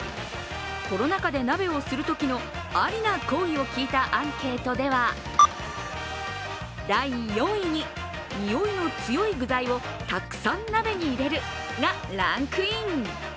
コロナ禍で鍋をするときの、ありな行為を聞いたアンケートでは、第４位に、においの強い具材をたくさん鍋に入れる、がランクイン。